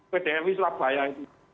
pdw surabaya itu